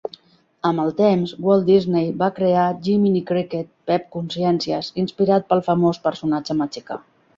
Amb el temps, Walt Disney va crear Jiminy Cricket (Pep Consciències), inspirat pel famós personatge mexicà.